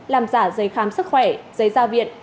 làm giả dây khám sức khỏe dây gia viện